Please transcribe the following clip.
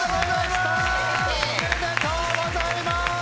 おめでとうございます！